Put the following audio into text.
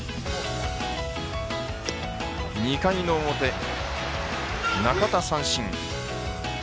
２回の表中田、三振。